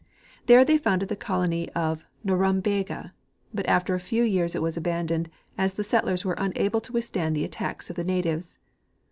There they founded the colony of Norum bega, but after a few years it was abandoned, as the settlers were unable to withstand the attacks of the natives.